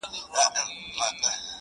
لا به په تا پسي توېږي اوښکي؛